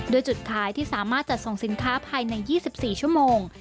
โดยจุดขายที่สามารถจัดส่งสินค้าภายใน๒๔ชั่วโมง